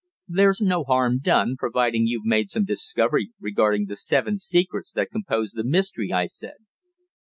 "There's no harm done providing you've made some discovery regarding the seven secrets that compose the mystery," I said.